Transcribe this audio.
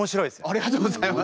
ありがとうございます。